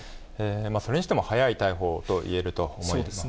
それにしても、早い逮捕といえると思います。